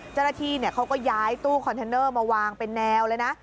เจ้าหน้าที่เขาก็ย้ายตู้คอนเทนเนอร์มาวางเป็นแนวเลยนะ